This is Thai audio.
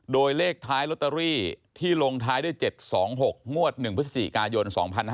โดยเลขท้ายลอตเตอรี่ที่ลงท้ายด้วย๗๒๖งวด๑พฤศจิกายน๒๕๕๙